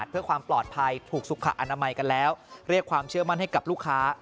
สุขะอนามัยกันแล้วเรียกความเชื่อมั่นให้กับลูกค้า